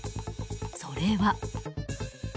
それは。